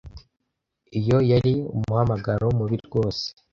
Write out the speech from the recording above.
Iyo yari umuhamagaro mubi rwose.